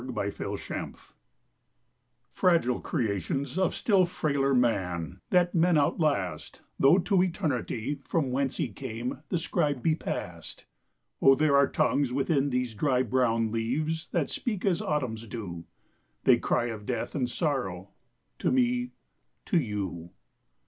OLD LETTERS "Fragile creations of still frailer man, That men outlast, Though to eternity, from whence he came, The scribe be past. O there are tongues within these dry brown leaves That speak as Autumns do; They cry of death and sorrow, To me—to you."